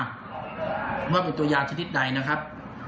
ว่าเป็นตัวยางชนิดใดนะครับ